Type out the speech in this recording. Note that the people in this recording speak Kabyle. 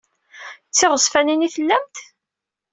D tiɣezfanin i tellamt?